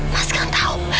mas jangan tahu